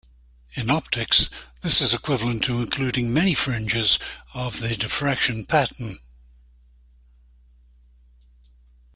In optics, this is equivalent to including many fringes of the diffraction pattern.